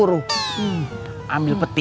dia di sini